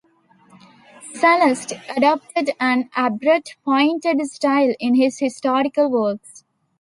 Sallust adopted an abrupt, pointed style in his historical works.